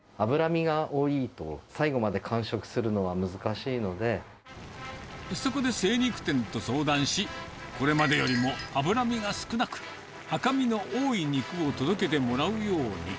しかし、脂身が多いと、そこで精肉店と相談し、これまでよりも脂身が少なく、赤身の多い肉を届けてもらうように。